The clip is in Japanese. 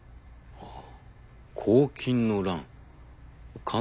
ああ。